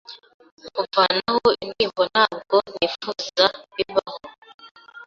kuvanaho indirimbo ntabwo nifuza bibaho